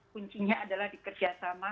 kuncinya adalah dikerjasama